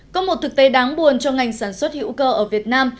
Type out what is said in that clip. có một thực tế đáng buồn cho ngành sản xuất hữu cơ ở việt nam